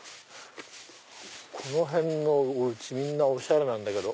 この辺のお家みんなおしゃれなんだけど。